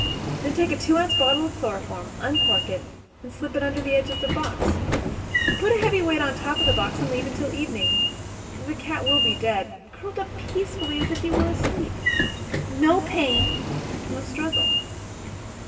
Then take a two ounce bottle of chloroform, uncork it, and slip it under the edge of the box. Put a heavy weight on top of the box and leave it till evening. The cat will be dead, curled up peacefully as if he were asleep. No pain—no struggle."